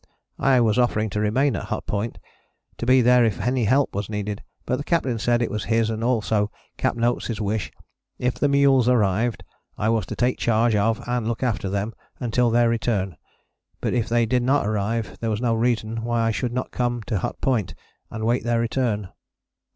I was offering to remain at Hut Point, to be there if any help was needed, but the Captain said it was his and also Capt. Oates' wish if the mules arrived I was to take charge of and look after them until their return; but if they did not arrive there was no reason why I should not come to Hut Point and wait their return.